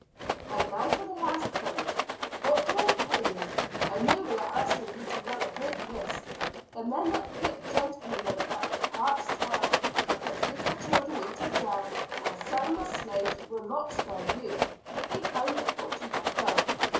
"And now for the last point what do I pay you? I know we are asking you to run a great risk. The men that whip gentlewomen, at the cart's tail, and put little children into jail, and sell them as slaves, will not spare you, if they find out what you have done.